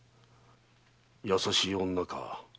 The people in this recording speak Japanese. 優しい女か